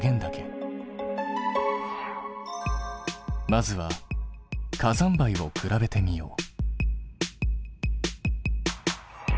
まずは火山灰を比べてみよう。